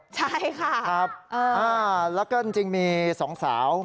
เพราะว่าพวกมันต้องสอนใช่ค่ะแล้วก็จริงมีสองสาวไหม